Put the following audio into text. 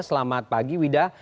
selamat pagi wida